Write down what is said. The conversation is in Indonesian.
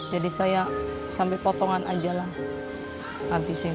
jadi saya sampai potongan aja lah habisin